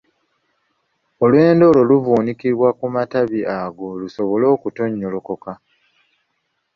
Olwendo olwo luvuunikibwa ku matabi ago lusobole okutonnyolokoka.